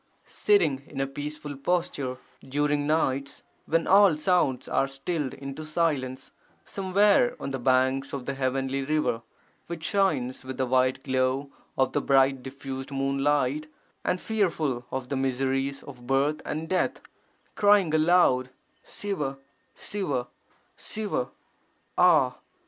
Sitting in a peaceful posture, during nights when all sounds are stilled into silence, somewhere on the banks of the heavenly river which shines with the white glow of the bright diffused moonlight, and fearful of the miseries of birth and death, crying aloud 'Siva, Siva, Siva,' ah!